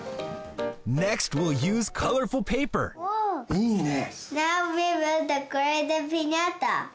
いいね！